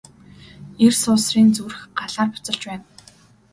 Эр суусрын зүрх Галаар буцалж байна.